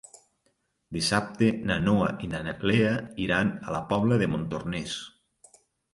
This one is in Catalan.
Dissabte na Noa i na Lea iran a la Pobla de Montornès.